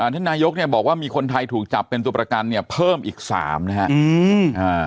ท่านนายกเนี่ยบอกว่ามีคนไทยถูกจับเป็นตัวประกันเนี่ยเพิ่มอีกสามนะฮะอืมอ่า